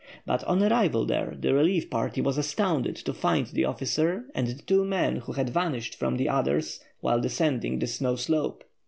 But on arrival there the relief party was astounded to find the officer and the two men who had vanished from the others while descending the snow slope.